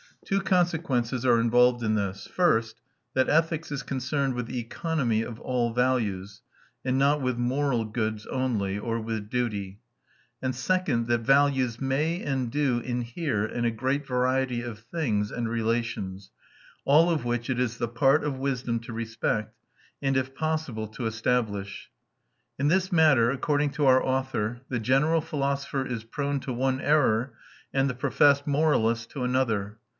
Two consequences are involved in this: first, that ethics is concerned with the economy of all values, and not with "moral" goods only, or with duty; and second, that values may and do inhere in a great variety of things and relations, all of which it is the part of wisdom to respect, and if possible to establish. In this matter, according to our author, the general philosopher is prone to one error and the professed moralist to another.